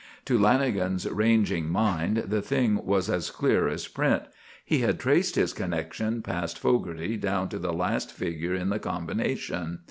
To Lanagan's ranging mind, the thing was as clear as print. He had traced his connection past Fogarty down to the last figure in the combination.